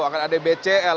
akan ada bcl